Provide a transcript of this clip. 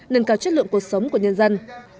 nâng cao chất lượng cuộc sống của nhân dân